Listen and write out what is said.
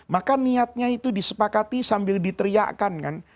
maka niatnya itu disepakati sambil diteriakan kan